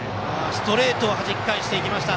ストレートをはじき返しました。